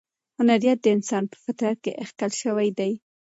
هنریت د انسان په فطرت کې اخښل شوی دی.